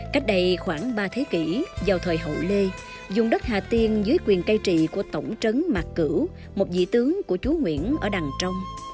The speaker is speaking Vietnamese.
cách đây khoảng ba thế kỷ vào thời hậu lê dùng đất hà tiên dưới quyền cây trị của tổng trấn mạc cửu một dị tướng của chú nguyễn ở đằng trong